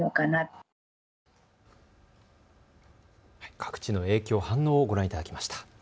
各地の影響、反応をご覧いただきました。